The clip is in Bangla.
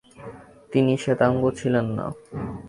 তিনি শ্বেতাঙ্গ ছিলেন না।